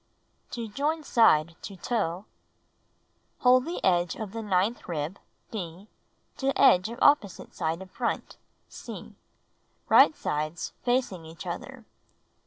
To Join Side to Toe Hold the edge of the ninth rib (D) to edge of opposite side of front (C), right sides facing each other.